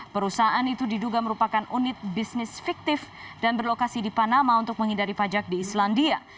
perusahaan itu diduga merupakan unit bisnis fiktif dan berlokasi di panama untuk menghindari pajak di islandia